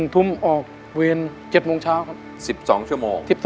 ๑ทุ่มออกเวร๗โมงเช้าครับ